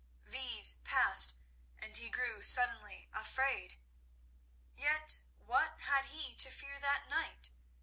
These passed, and he grew suddenly afraid. Yet what had he to fear that night?